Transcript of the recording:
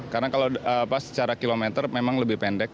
karena kalau secara kilometer memang lebih pendek